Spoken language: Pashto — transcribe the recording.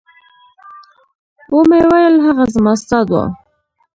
ومې ويل هغه زما استاد و.